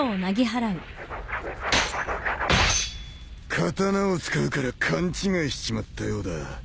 刀を使うから勘違いしちまったようだ。